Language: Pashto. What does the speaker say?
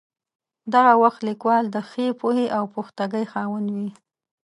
دغه وخت لیکوال د ښې پوهې او پختګۍ خاوند وي.